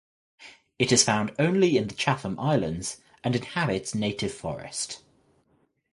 It is found only in the Chatham Islands and inhabits native forest.